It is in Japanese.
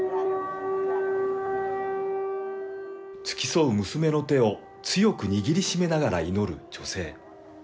付き添う娘の手を強く握りしめながら祈る女性。